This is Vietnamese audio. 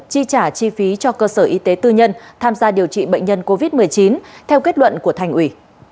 chi trả chi phí cho cơ sở y tế tư nhân tham gia điều trị bệnh nhân covid một mươi chín theo kết luận của thành ủy